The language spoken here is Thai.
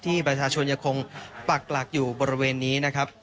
ที่บรรยาชนยังคงปรากฏอยู่บริเวณนี้นะครับ